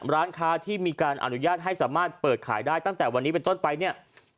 ร้านค้าที่มีการอนุญาตให้สามารถเปิดขายได้ตั้งแต่วันนี้เป็นต้นไปเนี่ย